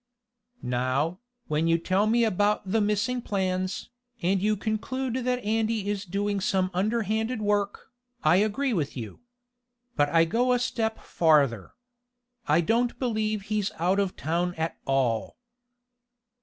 "Now, when you tell me about the missing plans, and you conclude that Andy is doing some underhanded work, I agree with you. But I go a step farther. I don't believe he's out of town at all."